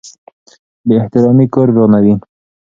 بې احترامي کور ورانوي.